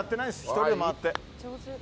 １人で回って。